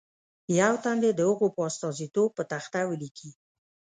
یو تن دې د هغو په استازیتوب په تخته ولیکي.